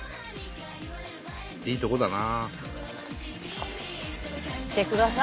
いいとこだな。